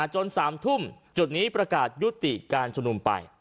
จน๓ทุ่มจุดนี้ประกาศยุติการชุมนุมไป